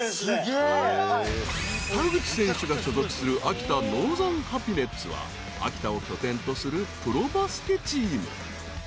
［田口選手が所属する秋田ノーザンハピネッツは秋田を拠点とするプロバスケチーム］